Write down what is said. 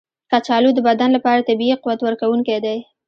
کچالو د بدن لپاره طبیعي قوت ورکونکی دی.